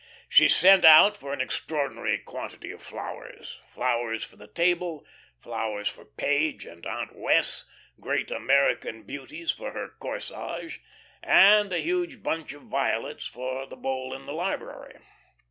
She sent out for an extraordinary quantity of flowers; flowers for the table, flowers for Page and Aunt Wess', great "American beauties" for her corsage, and a huge bunch of violets for the bowl in the library.